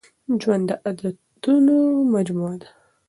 ژوند د عادتونو مجموعه ده.